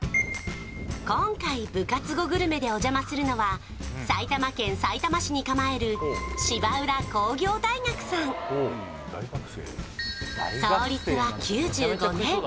今回部活後グルメでお邪魔するのは埼玉県さいたま市に構える芝浦工業大学さん創立は９５年